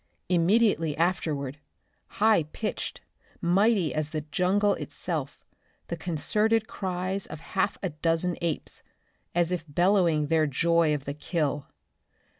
Immediately afterward, high pitched, mighty as the jungle itself, the concerted cries of half a dozen apes, as if bellowing their joy of the kill.